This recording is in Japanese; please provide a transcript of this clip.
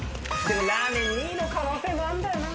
でもラーメン２位の可能性もあんだよな。